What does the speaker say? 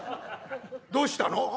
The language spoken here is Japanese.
どうしたの？」。